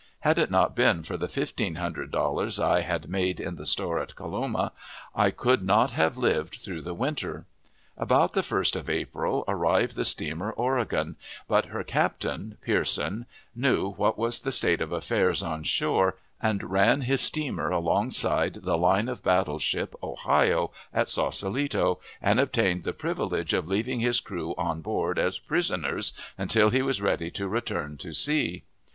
Had it not been for the fifteen hundred dollars I had made in the store at Coloma, I could not have lived through the winter. About the 1st of April arrived the steamer Oregon; but her captain (Pearson) knew what was the state of affairs on shore, and ran his steamer alongside the line of battle ship Ohio at Saucelito, and obtained the privilege of leaving his crew on board as "prisoners" until he was ready to return to sea.